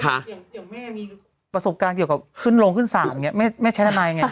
เดี๋ยวแม่มีประสบการณ์เกี่ยวกับขึ้นโรงขึ้นศาลอย่างนี้แม่ใช้ทนายยังไง